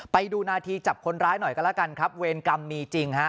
ไปดูนาทีจับคนร้ายหน่อยก็แล้วกันครับเวรกรรมมีจริงฮะ